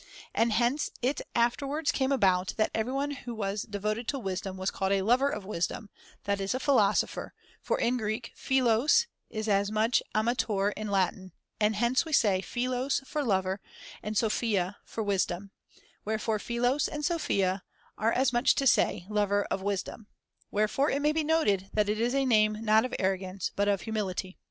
And hence it after wards came about that everyone who was de voted to wisdom was called a ' lover of wisdom,' that is a philosopher, for in Greek philos is as much as amator in Latin, and hence we say philos for lover and sophia [] for luisdom ; wherefore philos and sophia are as much as to say ' lover of wisdom '; wherefore it may be noted that it is a name not of arrogance but of humility.